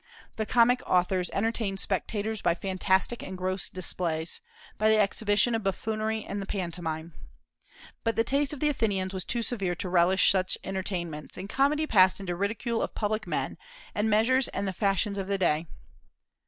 The comic authors entertained spectators by fantastic and gross displays, by the exhibition of buffoonery and pantomime. But the taste of the Athenians was too severe to relish such entertainments, and comedy passed into ridicule of public men and measures and the fashions of the day.